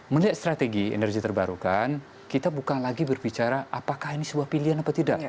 melihat strategi energi terbarukan kita bukan lagi berbicara apakah ini sebuah pilihan apa tidak